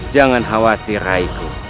jangan khawatir raiku